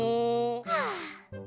はあ。